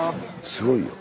すごいよ。